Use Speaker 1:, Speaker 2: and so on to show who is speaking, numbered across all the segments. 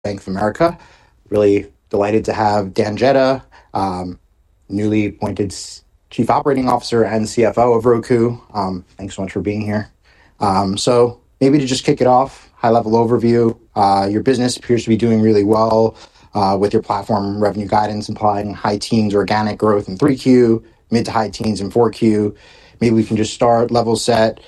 Speaker 1: ... Bank of America. Really delighted to have Dan Jedda, newly appointed Chief Operating Officer and CFO of Roku. Thanks so much for being here. So maybe to just kick it off, high-level overview, your business appears to be doing really well, with your platform revenue guidance, implying high teens organic growth in 3Q, mid to high teens in 4Q. Maybe we can just start, level set.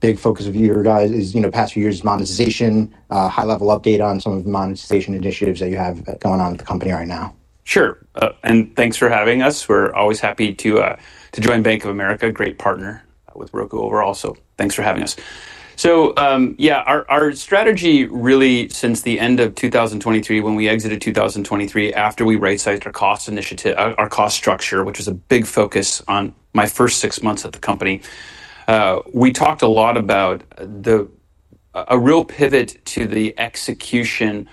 Speaker 1: Big focus of you guys is, you know, past few years' monetization. High-level update on some of the monetization initiatives that you have going on at the company right now.
Speaker 2: Sure. And thanks for having us. We're always happy to join Bank of America, great partner with Roku overall, so thanks for having us. So, yeah, our strategy really since the end of 2023, when we exited 2023, after we right-sized our cost initiative, our cost structure, which was a big focus on my first six months at the company. We talked a lot about a real pivot to the execution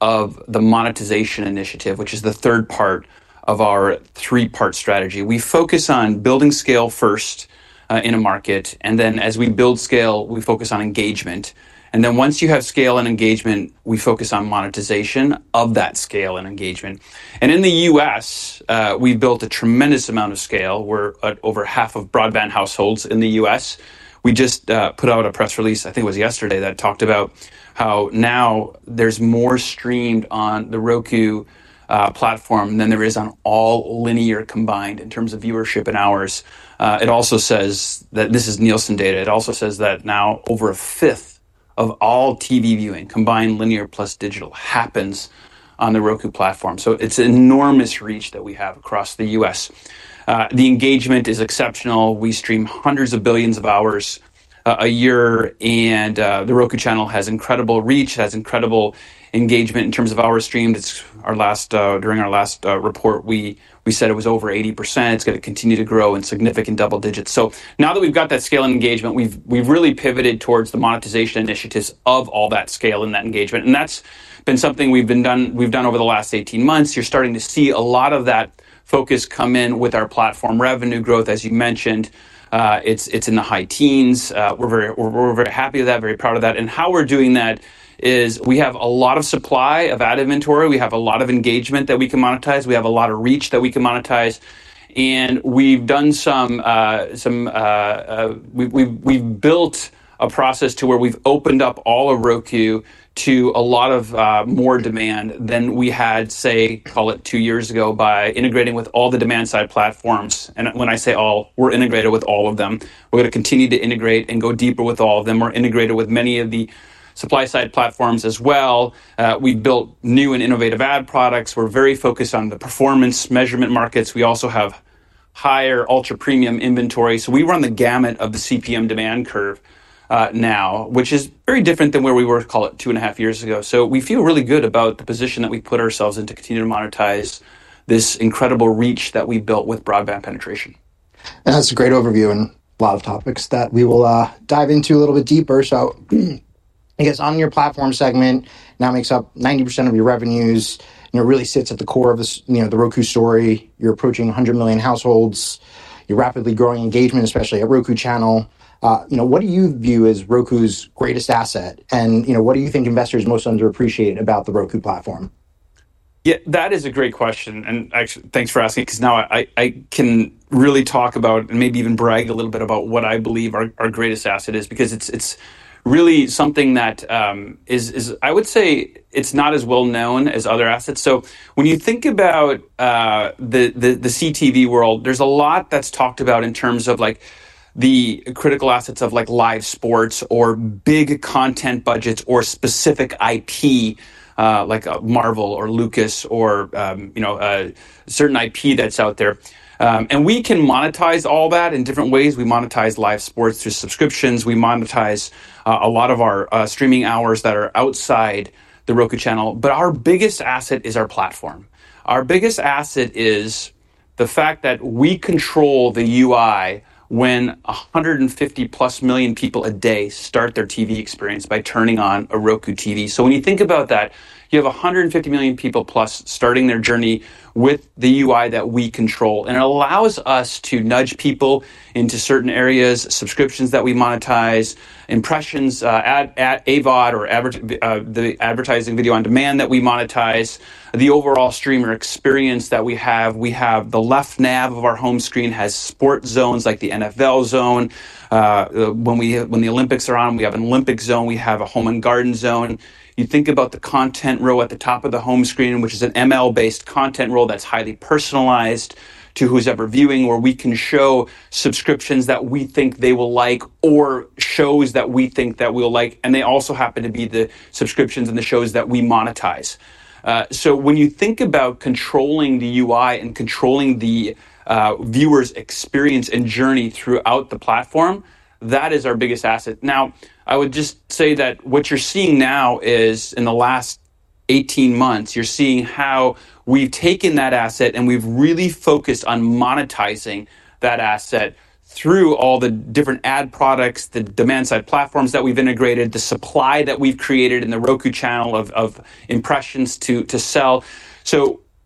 Speaker 2: of the monetization initiative, which is the third part of our three-part strategy. We focus on building scale first in a market, and then as we build scale, we focus on engagement, and then once you have scale and engagement, we focus on monetization of that scale and engagement. And in the U.S., we've built a tremendous amount of scale. We're at over half of broadband households in the U.S. We just put out a press release, I think it was yesterday, that talked about how now there's more streamed on the Roku platform than there is on all linear combined in terms of viewership and hours. It also says that... This is Nielsen data. It also says that now over a fifth of all TV viewing, combined linear plus digital, happens on the Roku platform. So it's enormous reach that we have across the U.S. The engagement is exceptional. We stream hundreds of billions of hours a year, and the Roku Channel has incredible reach, has incredible engagement in terms of hours streamed. It's our last... During our last report, we said it was over 80%. It's gonna continue to grow in significant double digits. So now that we've got that scale and engagement, we've really pivoted towards the monetization initiatives of all that scale and that engagement, and that's been something we've done over the last 18 months. You're starting to see a lot of that focus come in with our platform revenue growth. As you mentioned, it's in the high teens. We're very happy with that, very proud of that. And how we're doing that is we have a lot of supply of ad inventory. We have a lot of engagement that we can monetize. We have a lot of reach that we can monetize, and we've done some... We've built a process to where we've opened up all of Roku to a lot of more demand than we had, say, call it two years ago, by integrating with all the demand-side platforms, and when I say all, we're integrated with all of them. We're gonna continue to integrate and go deeper with all of them. We're integrated with many of the supply-side platforms as well. We've built new and innovative ad products. We're very focused on the performance measurement markets. We also have higher ultra-premium inventory, so we run the gamut of the CPM demand curve, now, which is very different than where we were, call it two and a half years ago, so we feel really good about the position that we've put ourselves in to continue to monetize this incredible reach that we've built with broadband penetration.
Speaker 1: That's a great overview and a lot of topics that we will dive into a little bit deeper. So I guess on your platform segment, now makes up 90% of your revenues, and it really sits at the core of this, you know, the Roku story. You're approaching a hundred million households. You're rapidly growing engagement, especially at Roku Channel. You know, what do you view as Roku's greatest asset, and, you know, what do you think investors most underappreciate about the Roku platform?
Speaker 2: Yeah, that is a great question, and actually, thanks for asking, 'cause now I can really talk about, and maybe even brag a little bit about what I believe our greatest asset is. Because it's really something that is. I would say it's not as well known as other assets. So when you think about the CTV world, there's a lot that's talked about in terms of, like, the critical assets of, like, live sports or big content budgets or specific IP, like, Marvel or Lucas or, you know, a certain IP that's out there. And we can monetize all that in different ways. We monetize live sports through subscriptions. We monetize a lot of our streaming hours that are outside the Roku Channel, but our biggest asset is our platform. Our biggest asset is the fact that we control the UI when 150+ million people a day start their TV experience by turning on a Roku TV. So when you think about that, you have 150 million people plus starting their journey with the UI that we control, and it allows us to nudge people into certain areas, subscriptions that we monetize, impressions, ad AVOD, the advertising video on demand that we monetize, the overall streamer experience that we have. We have the left nav of our home screen has sport zones, like the NFL Zone. When the Olympics are on, we have an Olympic Zone. We have a Home & Garden Zone. You think about the content row at the top of the home screen, which is an ML-based content row that's highly personalized to whoever's viewing, where we can show subscriptions that we think they will like or shows that we think that we'll like, and they also happen to be the subscriptions and the shows that we monetize. So when you think about controlling the UI and controlling the viewer's experience and journey throughout the platform, that is our biggest asset. Now, I would just say that what you're seeing now is, in the last eighteen months, you're seeing how we've taken that asset, and we've really focused on monetizing that asset through all the different ad products, the demand-side platforms that we've integrated, the supply that we've created in the Roku Channel of impressions to sell.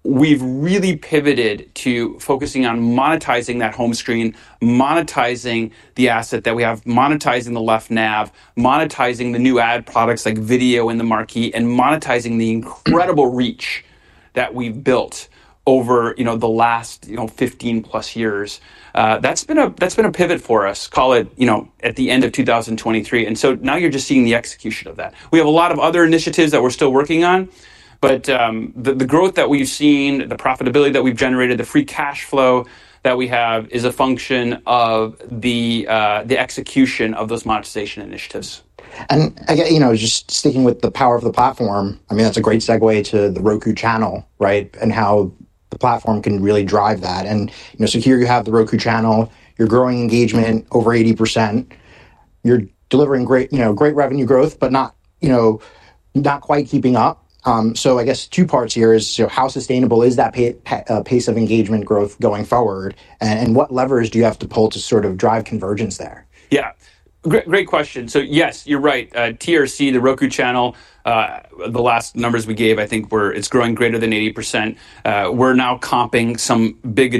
Speaker 2: So-... We've really pivoted to focusing on monetizing that home screen, monetizing the asset that we have, monetizing the left nav, monetizing the new ad products like video in the Marquee, and monetizing the incredible reach that we've built over, you know, the last, you know, 15+ years. That's been a pivot for us. Call it, you know, at the end of 2023, and so now you're just seeing the execution of that. We have a lot of other initiatives that we're still working on, but, the growth that we've seen, the profitability that we've generated, the free cash flow that we have is a function of the execution of those monetization initiatives.
Speaker 1: And again, you know, just sticking with the power of the platform, I mean, that's a great segue to The Roku Channel, right? And how the platform can really drive that. And, you know, so here you have The Roku Channel. You're growing engagement over 80%. You're delivering great, you know, great revenue growth, but not, you know, not quite keeping up. So I guess two parts here is: so how sustainable is that pace of engagement growth going forward, and what levers do you have to pull to sort of drive convergence there?
Speaker 2: Yeah. Great, great question. So yes, you're right. TRC, the Roku Channel, the last numbers we gave, I think, were, it's growing greater than 80%. We're now comping some big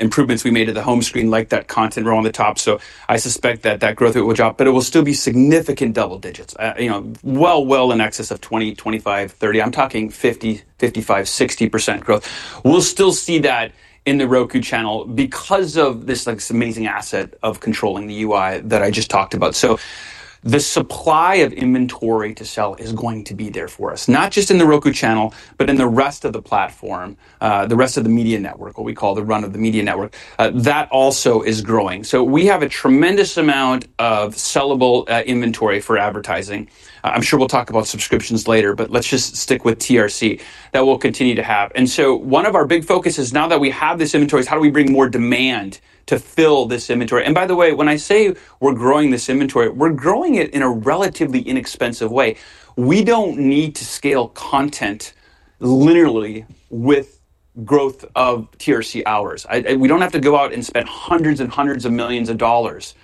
Speaker 2: improvements we made to the home screen, like that content row on the top. So I suspect that that growth rate will drop, but it will still be significant double digits. You know, well, well in excess of 20%, 25%, 30%. I'm talking 50%, 55%, 60% growth. We'll still see that in the Roku Channel because of this, like, amazing asset of controlling the UI that I just talked about. So the supply of inventory to sell is going to be there for us, not just in the Roku Channel, but in the rest of the platform, the rest of the media network, what we call the run of the media network. That also is growing. So we have a tremendous amount of sellable inventory for advertising. I'm sure we'll talk about subscriptions later, but let's just stick with TRC. That we'll continue to have. And so one of our big focuses, now that we have this inventory, is: how do we bring more demand to fill this inventory? And by the way, when I say we're growing this inventory, we're growing it in a relatively inexpensive way. We don't need to scale content linearly with growth of TRC hours. And we don't have to go out and spend hundreds and hundreds of millions of dollars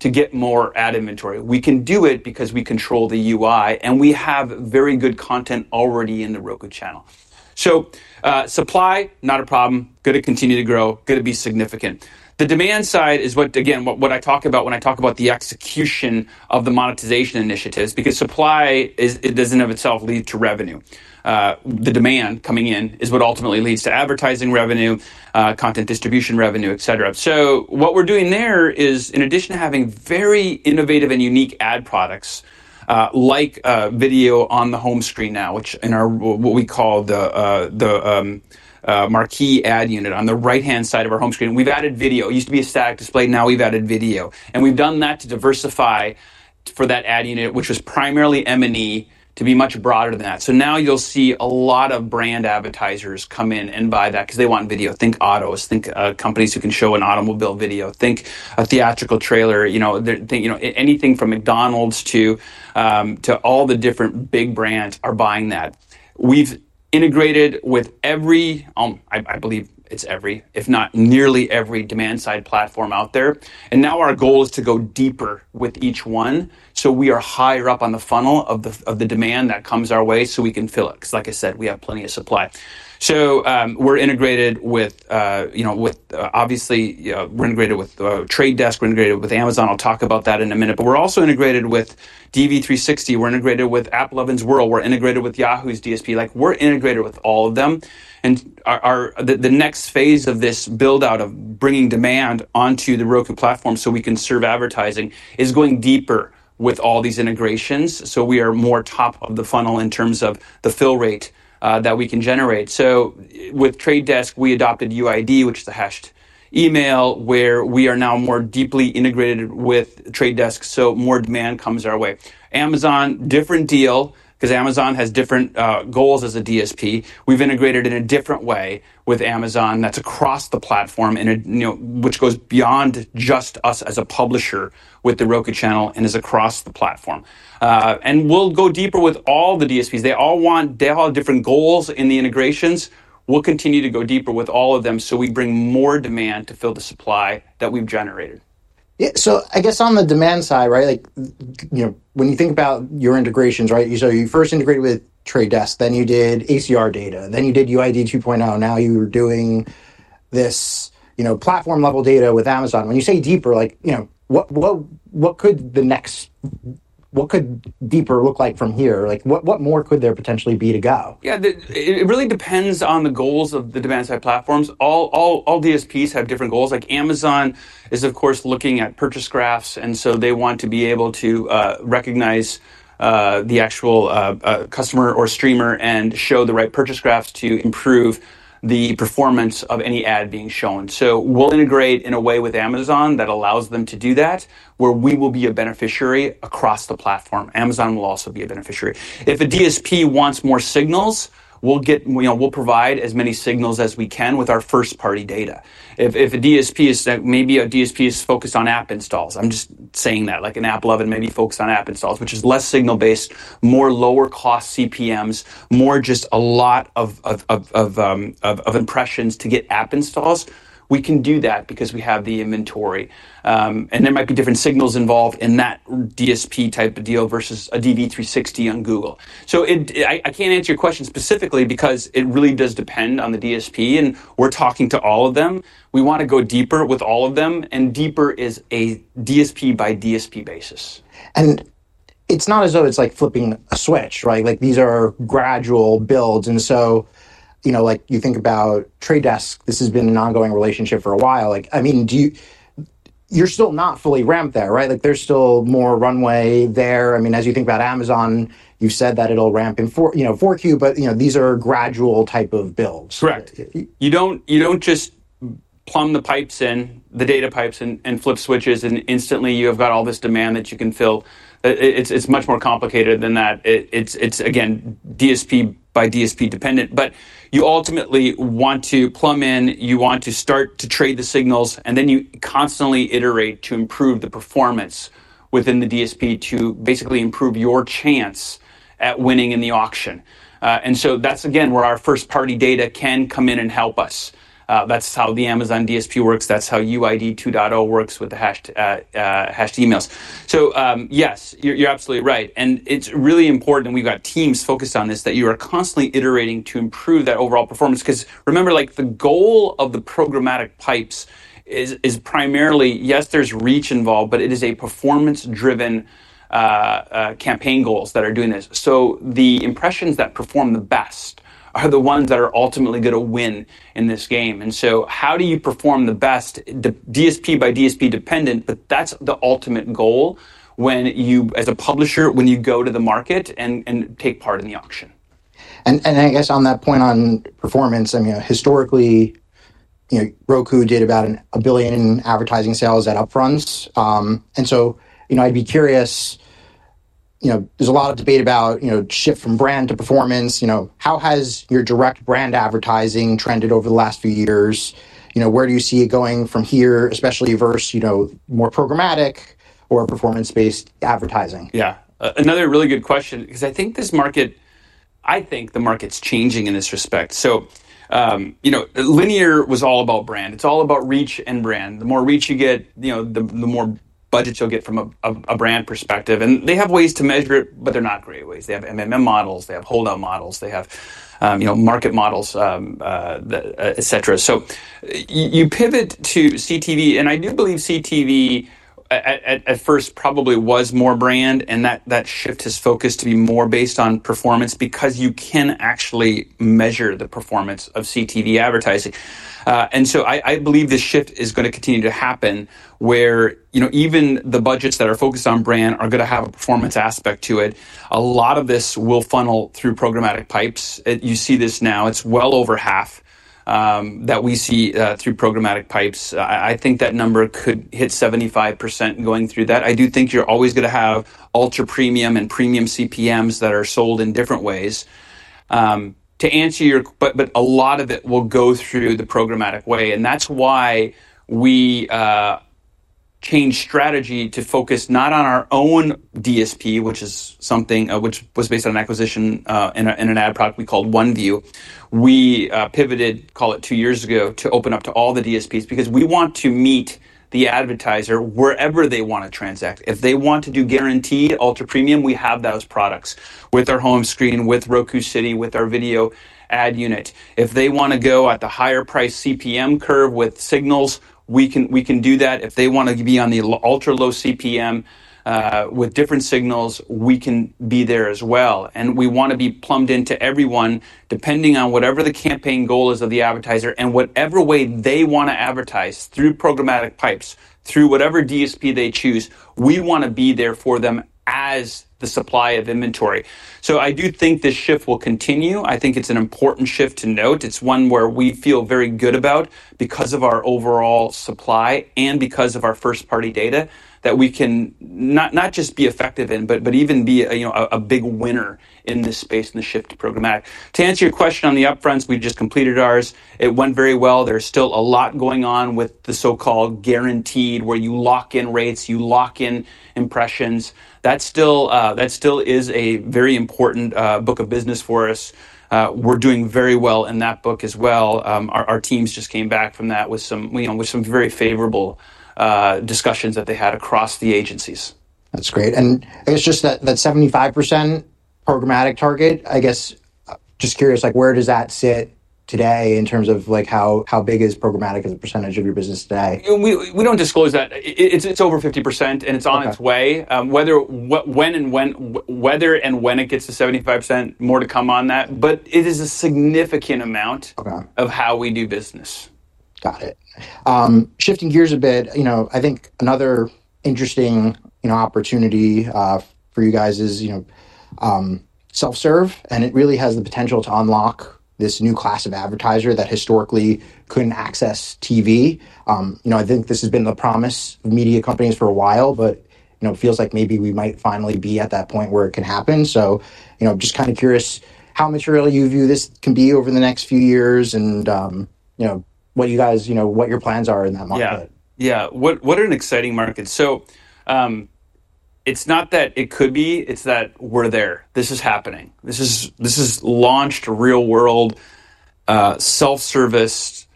Speaker 2: to get more ad inventory. We can do it because we control the UI, and we have very good content already in the Roku Channel. Supply, not a problem, gonna continue to grow, gonna be significant. The demand side is what, again, what I talk about when I talk about the execution of the monetization initiatives, because supply is it doesn't of itself lead to revenue. The demand coming in is what ultimately leads to advertising revenue, content distribution revenue, et cetera. So what we're doing there is, in addition to having very innovative and unique ad products, like video on the home screen now, which we call the Marquee ad unit on the right-hand side of our home screen. We've added video. It used to be a static display, now we've added video, and we've done that to diversify for that ad unit, which was primarily M&E, to be much broader than that. So now you'll see a lot of brand advertisers come in and buy that 'cause they want video. Think autos, think companies who can show an automobile video, think a theatrical trailer, you know, anything from McDonald's to all the different big brands are buying that. We've integrated with every, I believe it's every, if not nearly every demand side platform out there, and now our goal is to go deeper with each one, so we are higher up on the funnel of the demand that comes our way, so we can fill it. 'Cause like I said, we have plenty of supply. So, we're integrated with, you know, obviously, we're integrated with The Trade Desk. We're integrated with Amazon. I'll talk about that in a minute, but we're also integrated with DV360. We're integrated with AppLovin. We're integrated with Yahoo's DSP. Like, we're integrated with all of them, and the next phase of this build-out of bringing demand onto the Roku platform so we can serve advertising is going deeper with all these integrations, so we are more top of the funnel in terms of the fill rate that we can generate. So with Trade Desk, we adopted UID, which is a hashed email, where we are now more deeply integrated with Trade Desk, so more demand comes our way. Amazon, different deal, 'cause Amazon has different goals as a DSP. We've integrated in a different way with Amazon that's across the platform, and it you know which goes beyond just us as a publisher with the Roku Channel and is across the platform. And we'll go deeper with all the DSPs. They all want. They all have different goals in the integrations. We'll continue to go deeper with all of them, so we bring more demand to fill the supply that we've generated.
Speaker 1: Yeah, so I guess on the demand side, right, like, you know, when you think about your integrations, right? So you first integrated with Trade Desk, then you did ACR data, then you did UID 2.0. Now you are doing this, you know, platform-level data with Amazon. When you say deeper, like, you know, what could the next, what could deeper look like from here? Like, what more could there potentially be to go?
Speaker 2: Yeah, it really depends on the goals of the demand-side platforms. All DSPs have different goals. Like Amazon is, of course, looking at purchase graphs, and so they want to be able to recognize the actual customer or streamer and show the right purchase graphs to improve the performance of any ad being shown. So we'll integrate in a way with Amazon that allows them to do that, where we will be a beneficiary across the platform. Amazon will also be a beneficiary. If a DSP wants more signals, we'll get, you know, we'll provide as many signals as we can with our first-party data. If a DSP is maybe focused on app installs, I'm just saying that, like an AppLovin maybe focused on app installs, which is less signal-based, more lower-cost CPMs, more just a lot of impressions to get app installs, we can do that because we have the inventory. And there might be different signals involved in that DSP type of deal versus a DV360 on Google. So I can't answer your question specifically because it really does depend on the DSP, and we're talking to all of them. We want to go deeper with all of them, and deeper is a DSP-by-DSP basis....
Speaker 1: it's not as though it's like flipping a switch, right? Like, these are gradual builds, and so, you know, like, you think about Trade Desk, this has been an ongoing relationship for a while. Like, I mean, do you- you're still not fully ramped there, right? Like, there's still more runway there. I mean, as you think about Amazon, you've said that it'll ramp in 4Q, but, you know, these are gradual type of builds.
Speaker 2: Correct.
Speaker 1: If you-
Speaker 2: You don't just plumb the pipes in, the data pipes and flip switches, and instantly you have got all this demand that you can fill. It's much more complicated than that. It's again, DSP-by-DSP dependent, but you ultimately want to plumb in, you want to start to trade the signals, and then you constantly iterate to improve the performance within the DSP to basically improve your chance at winning in the auction. And so that's again, where our first-party data can come in and help us. That's how the Amazon DSP works, that's how UID 2.0 works with the hashed emails. So, yes, you're absolutely right, and it's really important, and we've got teams focused on this, that you are constantly iterating to improve that overall performance. 'Cause remember, like, the goal of the programmatic pipes is primarily, yes, there's reach involved, but it is a performance-driven campaign goals that are doing this. So the impressions that perform the best are the ones that are ultimately gonna win in this game. And so how do you perform the best? The DSP by DSP dependent, but that's the ultimate goal when you, as a publisher, when you go to the market and take part in the auction.
Speaker 1: I guess on that point on performance, I mean, historically, you know, Roku did about $1 billion in advertising sales at upfronts. And so, you know, I'd be curious, you know, there's a lot of debate about, you know, shift from brand to performance. You know, how has your direct brand advertising trended over the last few years? You know, where do you see it going from here, especially versus, you know, more programmatic or performance-based advertising?
Speaker 2: Yeah. Another really good question because I think this market... I think the market's changing in this respect. So, you know, linear was all about brand. It's all about reach and brand. The more reach you get, you know, the more budgets you'll get from a brand perspective, and they have ways to measure it, but they're not great ways. They have MMM models, they have holdout models, they have, you know, market models, the et cetera. So you pivot to CTV, and I do believe CTV at first probably was more brand, and that shift has focused to be more based on performance because you can actually measure the performance of CTV advertising. And so I believe this shift is gonna continue to happen, where you know, even the budgets that are focused on brand are gonna have a performance aspect to it. A lot of this will funnel through programmatic pipes. You see this now, it's well over half that we see through programmatic pipes. I think that number could hit 75% going through that. I do think you're always gonna have ultra-premium and premium CPMs that are sold in different ways. To answer your... But a lot of it will go through the programmatic way, and that's why we changed strategy to focus not on our own DSP, which is something which was based on an acquisition, and an ad product we called OneView. We pivoted, call it two years ago, to open up to all the DSPs because we want to meet the advertiser wherever they wanna transact. If they want to do guaranteed ultra-premium, we have those products, with our home screen, with Roku City, with our video ad unit. If they wanna go at the higher price CPM curve with signals, we can, we can do that. If they wanna be on the ultra-low CPM with different signals, we can be there as well. And we wanna be plumbed into everyone, depending on whatever the campaign goal is of the advertiser and whatever way they wanna advertise, through programmatic pipes, through whatever DSP they choose, we wanna be there for them as the supply of inventory. So I do think this shift will continue. I think it's an important shift to note. It's one where we feel very good about because of our overall supply and because of our first-party data, that we can not just be effective in, but even be a, you know, a big winner in this space and the shift to programmatic. To answer your question on the upfronts, we just completed ours. It went very well. There's still a lot going on with the so-called guaranteed, where you lock in rates, you lock in impressions. That's still a very important book of business for us. We're doing very well in that book as well. Our teams just came back from that with some, you know, with some very favorable discussions that they had across the agencies.
Speaker 1: That's great. And I guess just that 75% programmatic target, I guess, just curious, like, where does that sit today in terms of, like, how big is programmatic as a percentage of your business today?
Speaker 2: We don't disclose that. It's over 50%, and it's-
Speaker 1: Okay...
Speaker 2: on its way. Whether, what, when, and when it gets to 75%, more to come on that, but it is a significant amount-
Speaker 1: Okay...
Speaker 2: of how we do business.
Speaker 1: Got it. Shifting gears a bit, you know, I think another interesting opportunity for you guys is, you know, self-serve, and it really has the potential to unlock this new class of advertiser that historically couldn't access TV. I think this has been the promise of media companies for a while, but, you know, it feels like maybe we might finally be at that point where it can happen, so you know, just kinda curious how material you view this can be over the next few years and, you know, what you guys, you know, what your plans are in that market?
Speaker 2: Yeah. Yeah, what an exciting market. It's not that it could be, it's that we're there. This is happening. This is launched, real-world self-service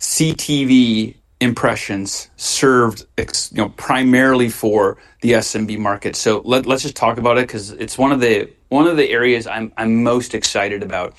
Speaker 2: CTV impressions served, you know, primarily for the SMB market. So let's just talk about it 'cause it's one of the areas I'm most excited about.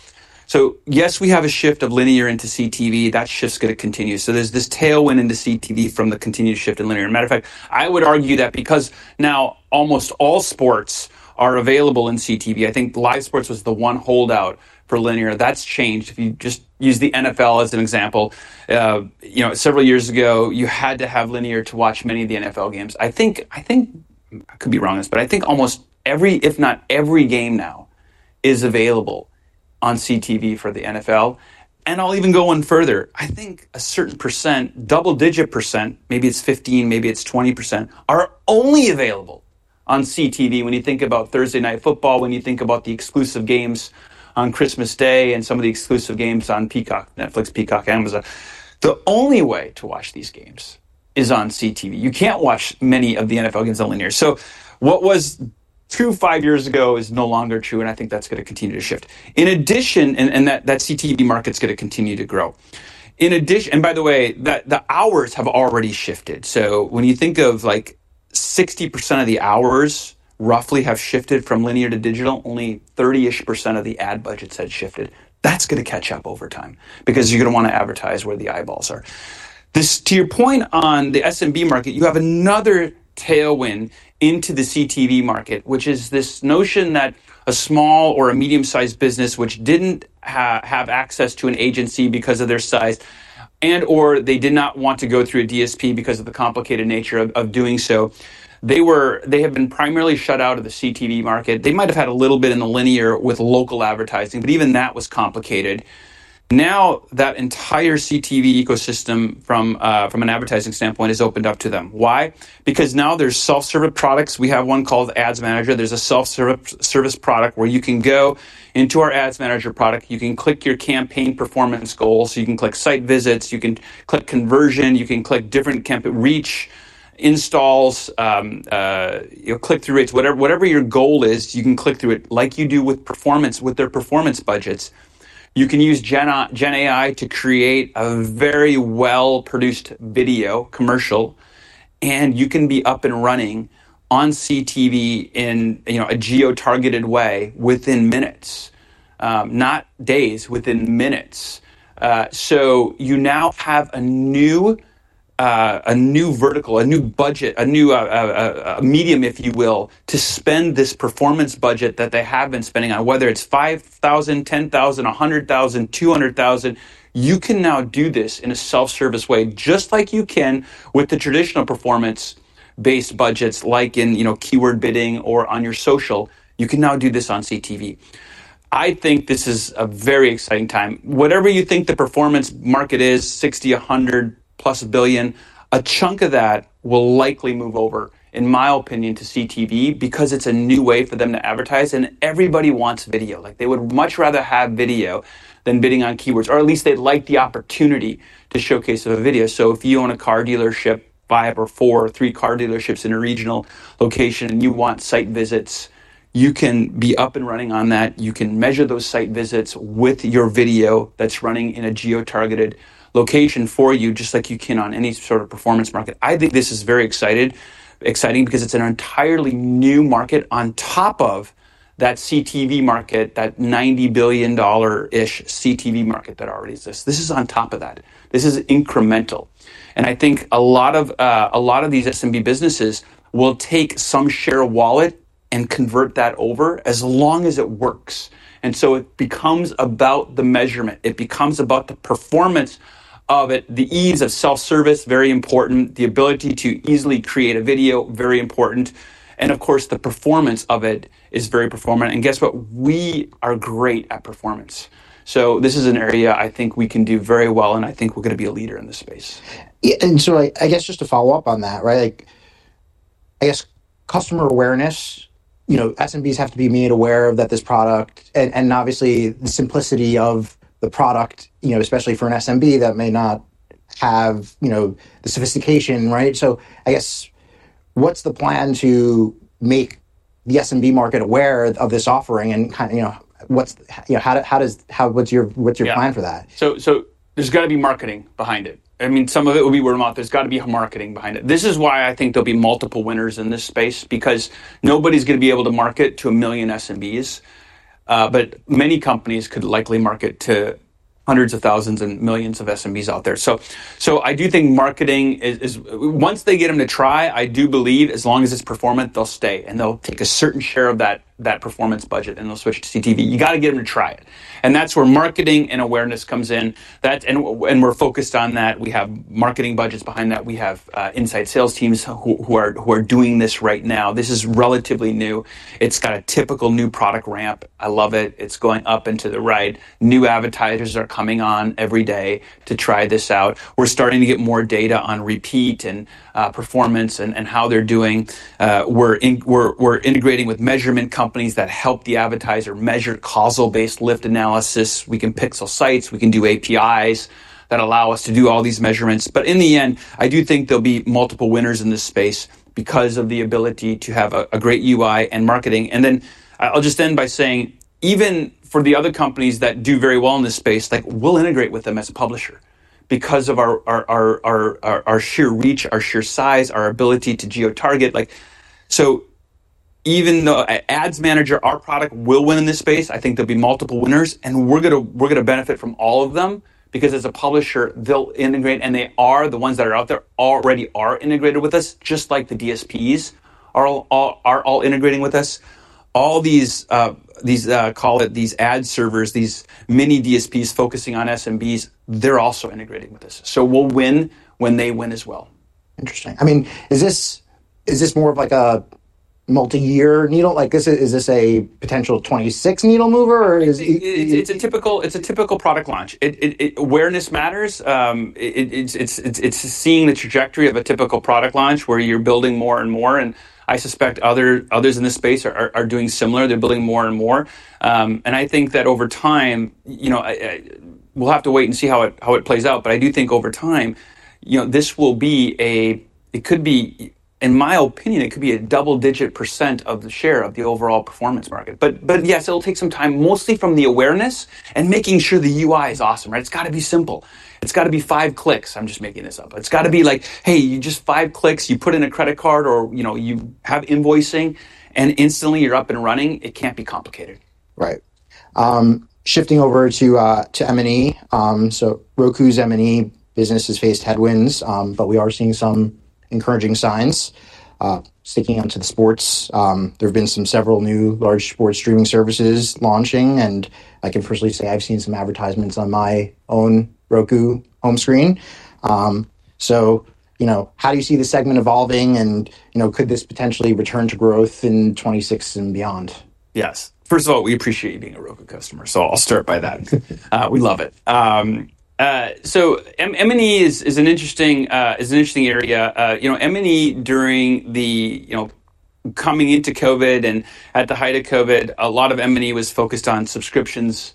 Speaker 2: Yes, we have a shift of linear into CTV. That shift's gonna continue, so there's this tailwind into CTV from the continued shift in linear. Matter of fact, I would argue that because now almost all sports are available in CTV, I think live sports was the one holdout for linear. That's changed. If you just use the NFL as an example, you know, several years ago, you had to have linear to watch many of the NFL games. I think, I think, I could be wrong on this, but I think almost every, if not every game now, is available on CTV for the NFL, and I'll even go one further. I think a certain percent, double-digit percent, maybe it's 15%, maybe it's 20%, are only available on CTV. When you think about Thursday Night Football, when you think about the exclusive games on Christmas Day and some of the exclusive games on Peacock, Netflix, Peacock, Amazon, the only way to watch these games is on CTV. You can't watch many of the NFL games on linear. So what was true five years ago is no longer true, and I think that's gonna continue to shift. In addition, that CTV market's gonna continue to grow. In addition and by the way, the hours have already shifted, so when you think of, like, 60% of the hours roughly have shifted from linear to digital, only 30-ish percent of the ad budgets had shifted. That's gonna catch up over time because you're gonna wanna advertise where the eyeballs are. This. To your point on the SMB market, you have another tailwind into the CTV market, which is this notion that a small or a medium-sized business which didn't have access to an agency because of their size and/or they did not want to go through a DSP because of the complicated nature of doing so, they were. They have been primarily shut out of the CTV market. They might have had a little bit in the linear with local advertising, but even that was complicated. Now, that entire CTV ecosystem from, from an advertising standpoint has opened up to them. Why? Because now there's self-service products. We have one called Ads Manager. There's a self-service product where you can go into our Ads Manager product. You can click your campaign performance goals. You can click site visits, you can click conversion, you can click different campaign reach, installs, you know, click-through rates. Whatever, whatever your goal is, you can click through it like you do with performance, with their performance budgets. You can use Gen AI to create a very well-produced video commercial, and you can be up and running on CTV in, you know, a geo-targeted way within minutes, not days, within minutes. So you now have a new vertical, a new budget, a new medium, if you will, to spend this performance budget that they have been spending on. Whether it's $5,000, $10,000, $100,000, $200,000, you can now do this in a self-service way, just like you can with the traditional performance-based budgets, like in, you know, keyword bidding or on your social. You can now do this on CTV. I think this is a very exciting time. Whatever you think the performance market is, 60%, $100+ billion, a chunk of that will likely move over, in my opinion, to CTV because it's a new way for them to advertise, and everybody wants video. Like, they would much rather have video than bidding on keywords, or at least they'd like the opportunity to showcase a video. If you own a car dealership, five or four or three car dealerships in a regional location and you want site visits, you can be up and running on that. You can measure those site visits with your video that's running in a geo-targeted location for you, just like you can on any sort of performance market. I think this is very excited, exciting because it's an entirely new market on top of that CTV market, that $90 billion-ish CTV market that already exists. This is on top of that. This is incremental, and I think a lot of, a lot of these SMB businesses will take some share of wallet and convert that over as long as it works, and so it becomes about the measurement. It becomes about the performance of it, the ease of self-service, very important, the ability to easily create a video, very important, and of course, the performance of it is very performant. And guess what? We are great at performance. So this is an area I think we can do very well, and I think we're gonna be a leader in this space.
Speaker 1: Yeah, and so I guess just to follow up on that, right? Like, I guess customer awareness, you know, SMBs have to be made aware that this product... and obviously the simplicity of the product, you know, especially for an SMB that may not have, you know, the sophistication, right? So I guess, what's the plan to make the SMB market aware of this offering and kind- you know, what's... how does... what's your, what's your-
Speaker 2: Yeah...
Speaker 1: plan for that?
Speaker 2: So there's gotta be marketing behind it. I mean, some of it will be word-of-mouth. There's got to be marketing behind it. This is why I think there'll be multiple winners in this space, because nobody's gonna be able to market to a million SMBs. But many companies could likely market to hundreds of thousands and millions of SMBs out there. So I do think marketing is... Once they get them to try, I do believe as long as it's performant, they'll stay, and they'll take a certain share of that performance budget, and they'll switch to CTV. You gotta get them to try it, and that's where marketing and awareness comes in. That, and we're focused on that. We have marketing budgets behind that. We have inside sales teams who are doing this right now. This is relatively new. It's got a typical new product ramp. I love it. It's going up and to the right. New advertisers are coming on every day to try this out. We're starting to get more data on repeat and performance and how they're doing. We're integrating with measurement companies that help the advertiser measure causal-based lift analysis. We can pixel sites. We can do APIs that allow us to do all these measurements. But in the end, I do think there'll be multiple winners in this space because of the ability to have a great UI and marketing. And then I, I'll just end by saying, even for the other companies that do very well in this space, like we'll integrate with them as a publisher.... Because of our sheer reach, our sheer size, our ability to geo-target. Like, so even though Ads Manager, our product, will win in this space, I think there'll be multiple winners, and we're gonna benefit from all of them because as a publisher, they'll integrate, and they are the ones that are out there already are integrated with us, just like the DSPs are all integrating with us. All these, call it, these ad servers, these mini DSPs focusing on SMBs, they're also integrating with us. So we'll win when they win as well.
Speaker 1: Interesting. I mean, is this, is this more of like a multi-year needle? Like, is this, is this a potential 2026 needle mover, or is it-
Speaker 2: It's a typical product launch. Awareness matters. It's seeing the trajectory of a typical product launch, where you're building more and more, and I suspect others in this space are doing similar. They're building more and more. And I think that over time, you know, we'll have to wait and see how it plays out, but I do think over time, you know, this will be a- it could be. In my opinion, it could be a double-digit percent of the share of the overall performance market. But yes, it'll take some time, mostly from the awareness and making sure the UI is awesome, right? It's gotta be simple. It's gotta be five clicks. I'm just making this up. It's gotta be like, hey, you just five clicks. You put in a credit card, or, you know, you have invoicing, and instantly you're up and running. It can't be complicated.
Speaker 1: Right. Shifting over to M&E. So Roku's M&E business has faced headwinds, but we are seeing some encouraging signs. Sticking onto the sports, there have been several new large sports streaming services launching, and I can personally say I've seen some advertisements on my own Roku home screen. So, you know, how do you see the segment evolving, and, you know, could this potentially return to growth in 2026 and beyond?
Speaker 2: Yes. First of all, we appreciate you being a Roku customer, so I'll start by that. We love it. So M&E is an interesting area. You know, M&E during the you know, coming into COVID and at the height of COVID, a lot of M&E was focused on subscriptions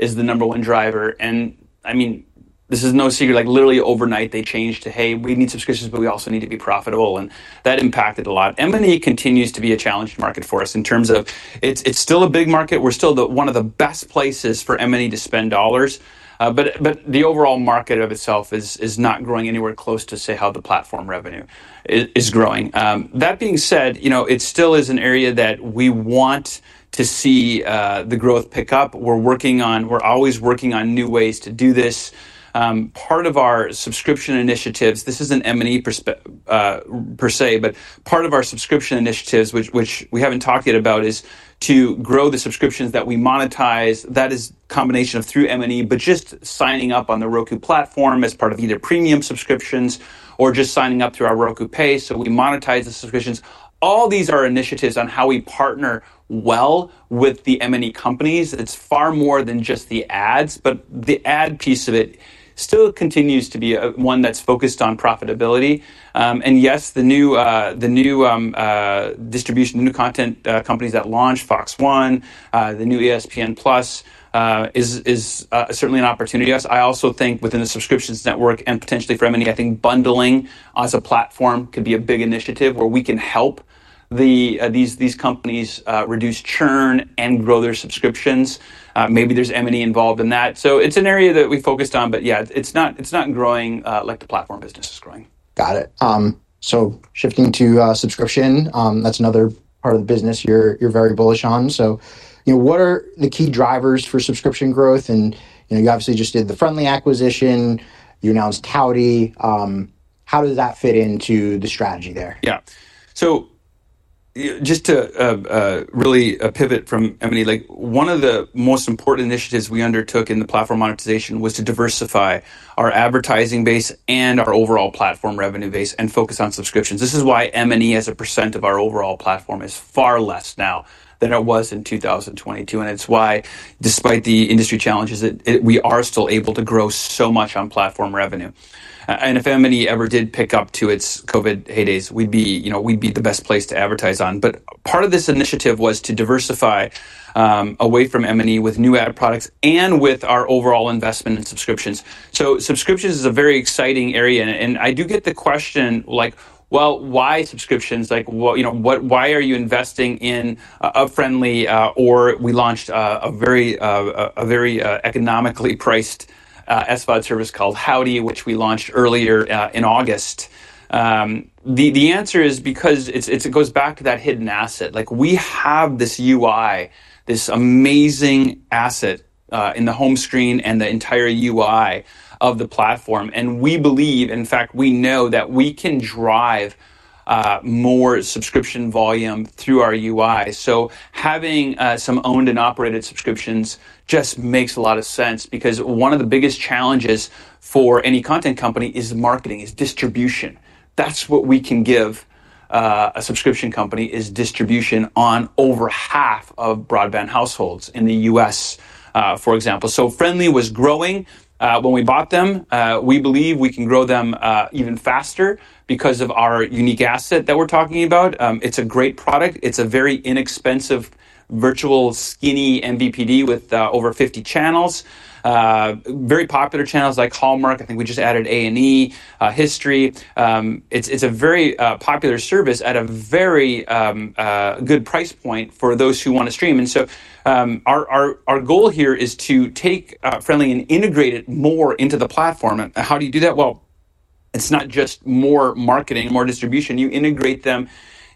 Speaker 2: as the number one driver, and, I mean, this is no secret, like, literally overnight, they changed to, "Hey, we need subscriptions, but we also need to be profitable," and that impacted a lot. M&E continues to be a challenged market for us in terms of it's still a big market. We're still the one of the best places for M&E to spend dollars, but the overall market of itself is not growing anywhere close to, say, how the platform revenue is growing. That being said, you know, it still is an area that we want to see the growth pick up. We're always working on new ways to do this. Part of our subscription initiatives, this isn't M&E per se, but part of our subscription initiatives, which we haven't talked yet about, is to grow the subscriptions that we monetize. That is a combination of through M&E, but just signing up on the Roku platform as part of either premium subscriptions or just signing up through our Roku Pay, so we monetize the subscriptions. All these are initiatives on how we partner well with the M&E companies. It's far more than just the ads, but the ad piece of it still continues to be a one that's focused on profitability. And yes, the new distribution, the new content companies that launched, Fox One, the new ESPN+, is certainly an opportunity. Yes, I also think within the subscriptions network and potentially for M&E, I think bundling as a platform could be a big initiative where we can help these companies reduce churn and grow their subscriptions. Maybe there's M&E involved in that. It's an area that we focused on, but yeah, it's not growing like the platform business is growing.
Speaker 1: Got it. So shifting to subscription, that's another part of the business you're very bullish on. So, you know, what are the key drivers for subscription growth? And, you know, you obviously just did the Frndly acquisition. You announced Howdy. How does that fit into the strategy there?
Speaker 2: Yeah. So just to really pivot from M&E, like, one of the most important initiatives we undertook in the platform monetization was to diversify our advertising base and our overall platform revenue base and focus on subscriptions. This is why M&E, as a percent of our overall platform, is far less now than it was in 2022, and it's why, despite the industry challenges, we are still able to grow so much on platform revenue, and if M&E ever did pick up to its COVID heydays, we'd be, you know, the best place to advertise on, but part of this initiative was to diversify away from M&E with new ad products and with our overall investment in subscriptions. So subscriptions is a very exciting area, and I do get the question, like, "Well, why subscriptions?" Like, what, you know, "What- why are you investing in a Frndly?" or we launched a very economically priced SVOD service called Howdy, which we launched earlier in August. The answer is because it goes back to that hidden asset. Like, we have this UI, this amazing asset in the home screen and the entire UI of the platform, and we believe, in fact, we know that we can drive more subscription volume through our UI. So having some owned and operated subscriptions just makes a lot of sense because one of the biggest challenges for any content company is marketing, is distribution. That's what we can give a subscription company is distribution on over half of broadband households in the U.S., for example. So Frndly was growing when we bought them. We believe we can grow them even faster because of our unique asset that we're talking about. It's a great product. It's a very inexpensive virtual skinny MVPD with over 50 channels. Very popular channels like Hallmark. I think we just added A&E, History. It's a very popular service at a very good price point for those who wanna stream. And so our goal here is to take Frndly and integrate it more into the platform. And how do you do that? It's not just more marketing, more distribution. You integrate them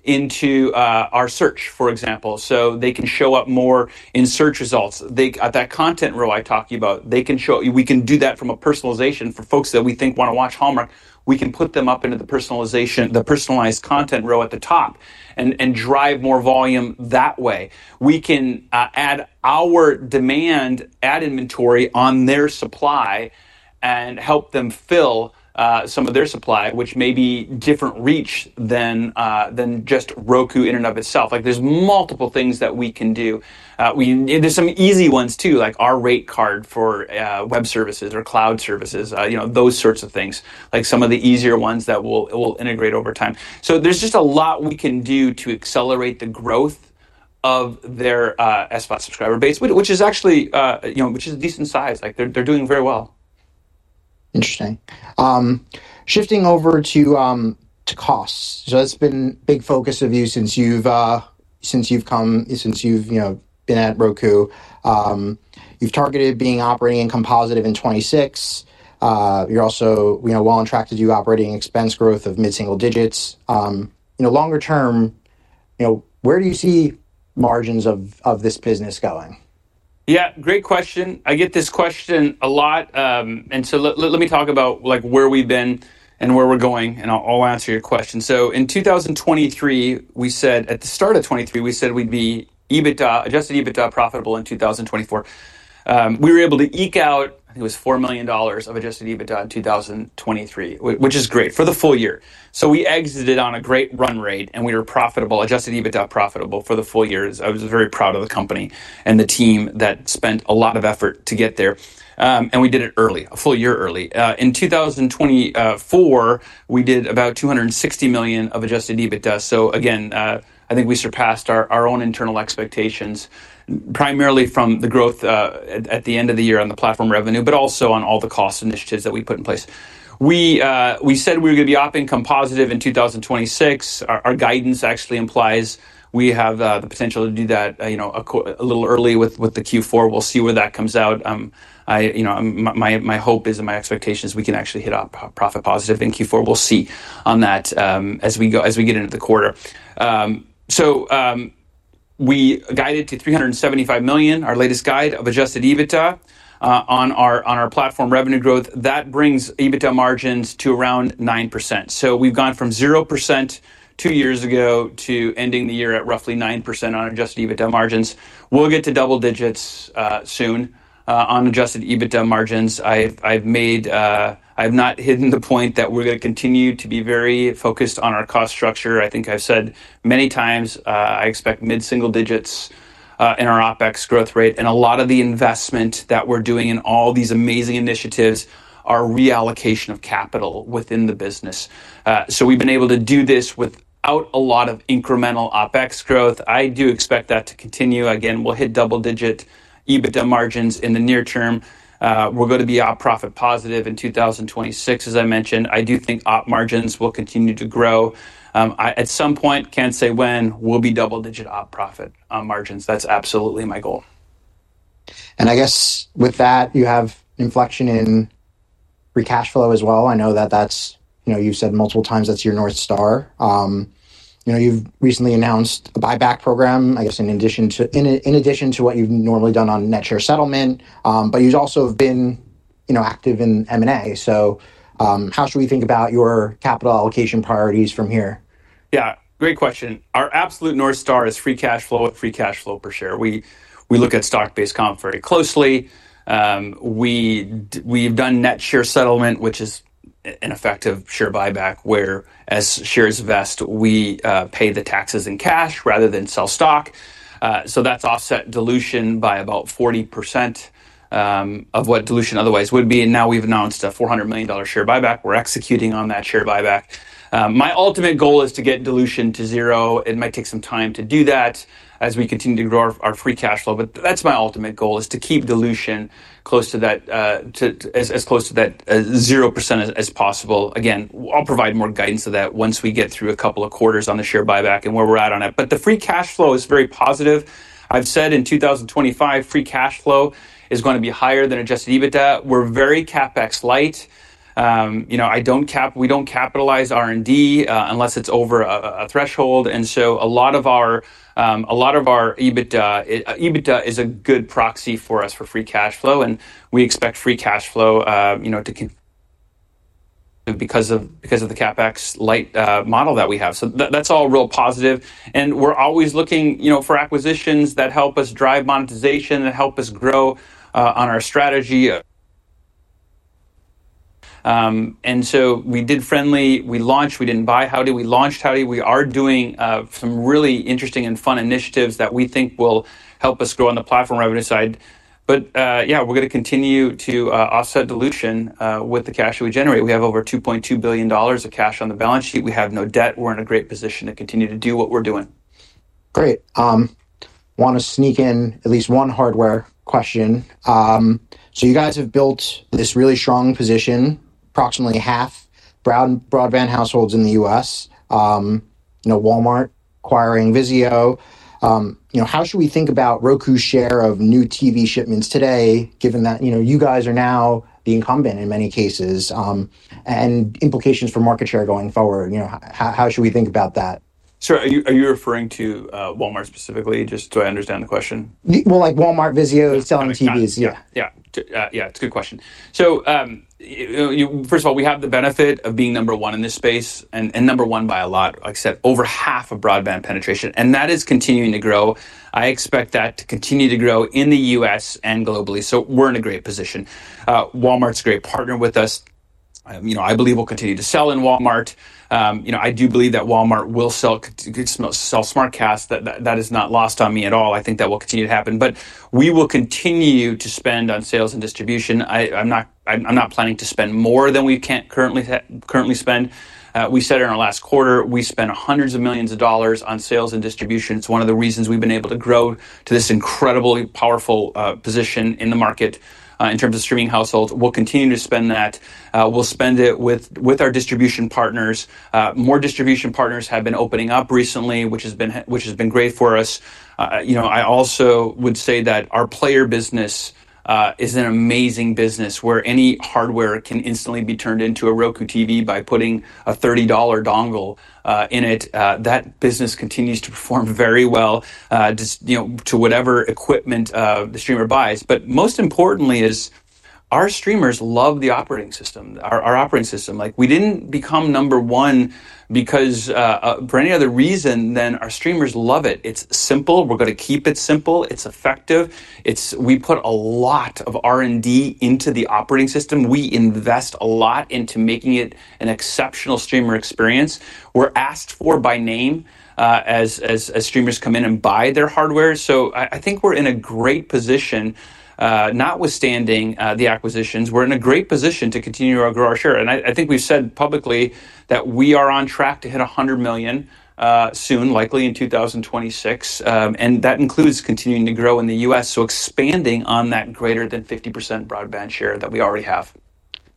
Speaker 2: into our search, for example, so they can show up more in search results. That content row I talked to you about, we can do that from a personalization for folks that we think wanna watch Hallmark. We can put them up into the personalization, the personalized content row at the top, and drive more volume that way. We can add our demand, add inventory on their supply, and help them fill some of their supply, which may be different reach than just Roku in and of itself. Like, there's multiple things that we can do. There's some easy ones too, like our rate card for web services or cloud services, you know, those sorts of things, like some of the easier ones that we'll integrate over time. So there's just a lot we can do to accelerate the growth of their SVOD subscriber base, which is actually, you know, which is a decent size. Like, they're doing very well.
Speaker 1: Interesting. Shifting over to costs. So that's been a big focus of you since you've you know been at Roku. You've targeted being operating income positive in 2026. You're also you know well on track to do operating expense growth of mid-single digits. You know longer term you know where do you see margins of this business going?
Speaker 2: Yeah, great question. I get this question a lot. And so let me talk about, like, where we've been and where we're going, and I'll answer your question. So in 2023, we said at the start of 2023, we said we'd be EBITDA, adjusted EBITDA profitable in 2024. We were able to eke out, I think it was $4 million of adjusted EBITDA in 2023, which is great for the full year. So we exited on a great run rate, and we were profitable, adjusted EBITDA profitable for the full year. I was very proud of the company and the team that spent a lot of effort to get there. And we did it early, a full year early. In 2024, we did about $260 million of adjusted EBITDA. So again, I think we surpassed our own internal expectations, primarily from the growth at the end of the year on the platform revenue, but also on all the cost initiatives that we put in place. We said we were gonna be operating income positive in 2026. Our guidance actually implies we have the potential to do that, you know, a little early with the Q4. We'll see where that comes out. I, you know, my hope is and my expectation is we can actually hit operating profit positive in Q4. We'll see on that, as we go, as we get into the quarter. So, we guided to $375 million, our latest guide, of adjusted EBITDA on our platform revenue growth. That brings EBITDA margins to around 9%. We've gone from 0% two years ago to ending the year at roughly 9% on adjusted EBITDA margins. We'll get to double digits soon on adjusted EBITDA margins. I've made, I've not hidden the point that we're gonna continue to be very focused on our cost structure. I think I've said many times, I expect mid-single digits in our OpEx growth rate, and a lot of the investment that we're doing in all these amazing initiatives are reallocation of capital within the business. So we've been able to do this without a lot of incremental OpEx growth. I do expect that to continue. Again, we'll hit double-digit EBITDA margins in the near term. We're gonna be op profit positive in 2026, as I mentioned. I do think op margins will continue to grow. At some point, can't say when, we'll be double-digit op profit margins. That's absolutely my goal.
Speaker 1: I guess with that, you have inflection in free cash flow as well. I know that that's, you know, you've said multiple times that's your North Star. You know, you've recently announced a buyback program, I guess in addition to what you've normally done on net share settlement, but you've also been, you know, active in M&A. How should we think about your capital allocation priorities from here?
Speaker 2: Yeah, great question. Our absolute North Star is free cash flow and free cash flow per share. We, we look at stock-based comp very closely. We've done net share settlement, which is an effective share buyback, where as shares vest, we pay the taxes in cash rather than sell stock. So that's offset dilution by about 40% of what dilution otherwise would be, and now we've announced a $400 million share buyback. We're executing on that share buyback. My ultimate goal is to get dilution to zero. It might take some time to do that as we continue to grow our free cash flow, but that's my ultimate goal is to keep dilution close to that, as close to that 0% as possible. Again, I'll provide more guidance to that once we get through a couple of quarters on the share buyback and where we're at on it. But the free cash flow is very positive. I've said in 2025, free cash flow is gonna be higher than adjusted EBITDA. We're very CapEx light. You know, I don't cap- we don't capitalize R&D, unless it's over a threshold, and so a lot of our EBITDA is a good proxy for us for free cash flow, and we expect free cash flow, you know, because of the CapEx light model that we have. So that, that's all real positive, and we're always looking, you know, for acquisitions that help us drive monetization and help us grow, on our strategy. And so we did Frndly. We launched. We didn't buy Howdy. We are doing some really interesting and fun initiatives that we think will help us grow on the platform revenue side. But yeah, we're gonna continue to offset dilution with the cash that we generate. We have over $2.2 billion of cash on the balance sheet. We have no debt. We're in a great position to continue to do what we're doing.
Speaker 1: Great. Wanna sneak in at least one hardware question. So you guys have built this really strong position, approximately half broadband households in the US. You know, Walmart acquiring Vizio. You know, how should we think about Roku's share of new TV shipments today, given that, you know, you guys are now the incumbent in many cases, and implications for market share going forward? You know, how should we think about that?
Speaker 2: Sure. Are you, are you referring to Walmart specifically, just so I understand the question?
Speaker 1: Like Walmart, Vizio, selling TVs.
Speaker 2: Got it.
Speaker 1: Yeah.
Speaker 2: Yeah. Yeah, it's a good question. So, first of all, we have the benefit of being number one in this space, and number one by a lot, like I said, over half of broadband penetration, and that is continuing to grow. I expect that to continue to grow in the U.S. and globally, so we're in a great position. Walmart's a great partner with us. You know, I believe we'll continue to sell in Walmart. You know, I do believe that Walmart will sell SmartCast. That is not lost on me at all. I think that will continue to happen. But we will continue to spend on sales and distribution. I'm not planning to spend more than we can't currently spend. We said in our last quarter, we spent hundreds of millions of dollars on sales and distribution. It's one of the reasons we've been able to grow to this incredibly powerful position in the market in terms of streaming households. We'll continue to spend that. We'll spend it with our distribution partners. More distribution partners have been opening up recently, which has been great for us. You know, I also would say that our player business is an amazing business, where any hardware can instantly be turned into a Roku TV by putting a $30 dongle in it. That business continues to perform very well, just, you know, to whatever equipment the streamer buys. But most importantly is our streamers love the operating system, our operating system. Like, we didn't become number one because for any other reason than our streamers love it. It's simple. We're gonna keep it simple. It's effective. We put a lot of R&D into the operating system. We invest a lot into making it an exceptional streamer experience. We're asked for by name as streamers come in and buy their hardware. So I think we're in a great position. Notwithstanding the acquisitions, we're in a great position to continue to grow our share, and I think we've said publicly that we are on track to hit $100 million soon, likely in 2026. And that includes continuing to grow in the U.S., so expanding on that greater than 50% broadband share that we already have.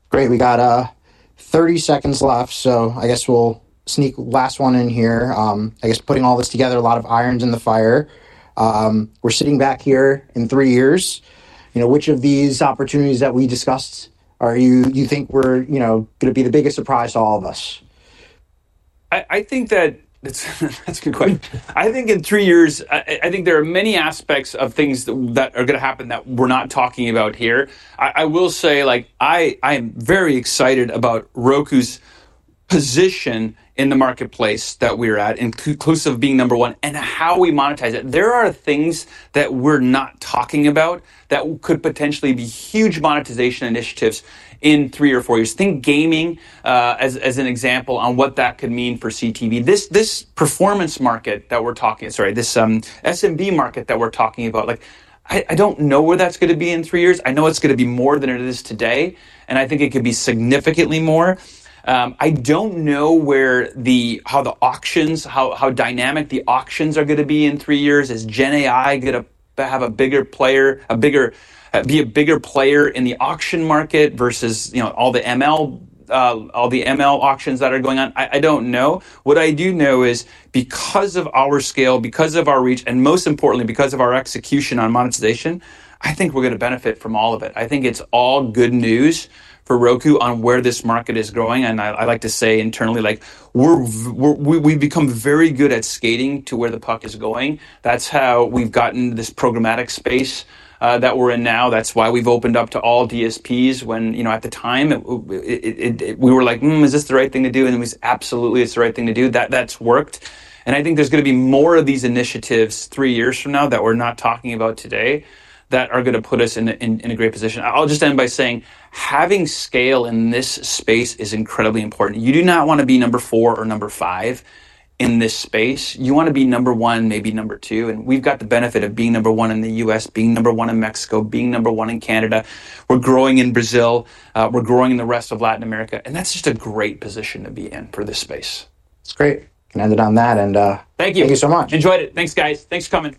Speaker 1: Great. We got thirty seconds left, so I guess we'll sneak last one in here. I guess putting all this together, a lot of irons in the fire. We're sitting back here in three years, you know, which of these opportunities that we discussed are you, you think were, you know, gonna be the biggest surprise to all of us?
Speaker 2: I think that it's... That's a good question. I think in three years, I think there are many aspects of things that are gonna happen that we're not talking about here. I will say, like, I am very excited about Roku's position in the marketplace that we're at, inclusive of being number one, and how we monetize it. There are things that we're not talking about that could potentially be huge monetization initiatives in three or four years. Think gaming, as an example, on what that could mean for CTV. This performance market that we're talking... Sorry, this SMB market that we're talking about, like, I don't know where that's gonna be in three years. I know it's gonna be more than it is today, and I think it could be significantly more. I don't know how dynamic the auctions are gonna be in three years. Is GenAI gonna be a bigger player in the auction market versus, you know, all the ML auctions that are going on? I don't know. What I do know is, because of our scale, because of our reach, and most importantly, because of our execution on monetization, I think we're gonna benefit from all of it. I think it's all good news for Roku on where this market is going, and I like to say internally, like, we've become very good at skating to where the puck is going. That's how we've gotten this programmatic space that we're in now. That's why we've opened up to all DSPs, when, you know, at the time, we were like, "Hmm, is this the right thing to do?" And it was absolutely, it's the right thing to do. That, that's worked, and I think there's gonna be more of these initiatives three years from now that we're not talking about today that are gonna put us in a great position. I'll just end by saying, having scale in this space is incredibly important. You do not wanna be number four or number five in this space. You wanna be number one, maybe number two, and we've got the benefit of being number one in the U.S., being number one in Mexico, being number one in Canada. We're growing in Brazil. We're growing in the rest of Latin America, and that's just a great position to be in for this space.
Speaker 1: That's great. Can end it on that, and-
Speaker 2: Thank you!
Speaker 1: Thank you so much.
Speaker 2: Enjoyed it. Thanks, guys. Thanks for coming.